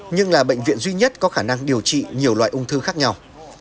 nhưng là bệnh viện duy nhất có khả năng điều trị nhiều loại ung thư khác nhau